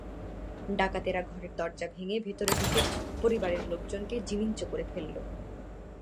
ডাকাতেরা ঘরের দরজা ভেঙে ভেতরে ঢুকে পরিবারের লোকজনকে জিমিঞ্চ করে ফেলে।